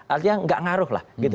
artinya nggak ngaruh lah gitu